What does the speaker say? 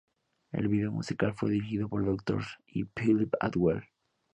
El video musical fue dirigido por Dr. Dre y Phillip Atwell.